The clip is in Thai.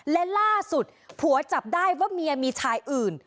และล่าสุดผัวจับได้ว่าเมียมีชายอื่น